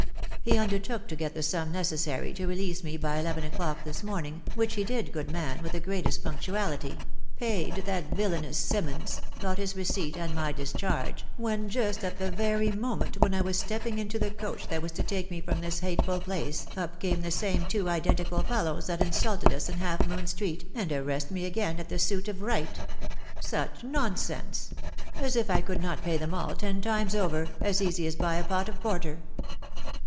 He undertook to get the sum necessary to release me by eleven o'clock this morning, which he did, good man, with the greatest punctuality.. ..paid that villanous Simmons, got his receipt, and my discharge, when, just at the very moment when I was stepping into the coach that was to take me from this hateful place, up came the same two identical fellows that insulted us in Half moon Street, and arrest me apain at the suit of Wright Such nonsense] As if I could not pay them all ten times over, as easy as buy a pot of porter, "Bwt.